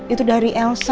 itu dari elsa